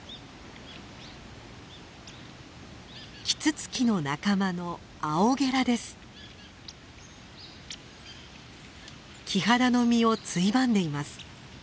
キツツキの仲間のキハダの実をついばんでいます。